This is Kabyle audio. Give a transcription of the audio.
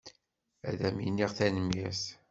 Ad am-iniɣ tanemmirt.